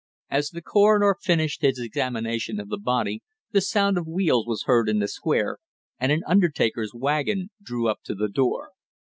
As the coroner finished his examination of the body, the sound of wheels was heard in the Square and an undertaker's wagon drew up to the door.